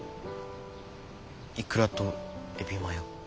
いくらとエビマヨ。